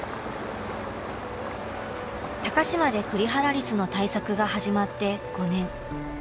高島でクリハラリスの対策が始まって５年。